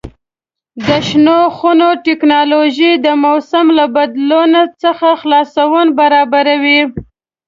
د شنو خونو تکنالوژي د موسم له بدلون څخه خلاصون برابروي.